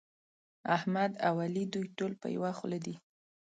احمد او علي دوی ټول په يوه خوله دي.